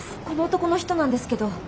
この男の人なんですけど。